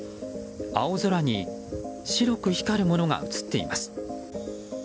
青空に白く光るものが映っています。